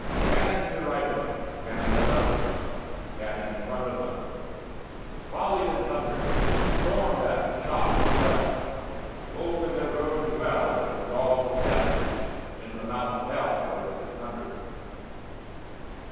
Cannon to right of them, Cannon to left of them, Cannon in front of themVolley'd and thunder'd; Storm'd at with shot and shell, Boldly they rode and well, Into the jaws of Death, Into the mouth of HellRode the six hundred.